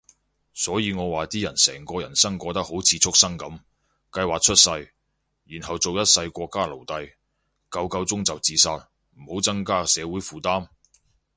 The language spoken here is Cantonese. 所以我話啲人成個人生過得好似畜牲噉，計劃出世，然後做一世國家奴隸，夠夠鐘就自殺，唔好增加社會負擔